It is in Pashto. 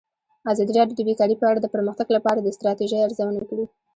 ازادي راډیو د بیکاري په اړه د پرمختګ لپاره د ستراتیژۍ ارزونه کړې.